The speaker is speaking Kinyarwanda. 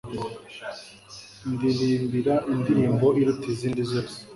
ndirimbira indirimbo iruta izindi zose